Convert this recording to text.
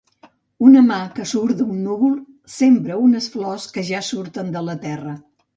Una mà que surt d’un núvol sembra unes flors que ja surten de la terra.